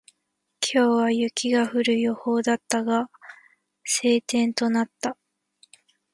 今日は雪が降る予報だったが、晴天となった。